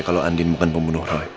kalau andin bukan pembunuh orang